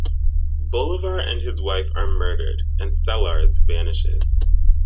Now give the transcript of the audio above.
Bolivar and his wife are murdered, and Sellars vanishes.